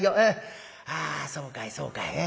あそうかいそうかい。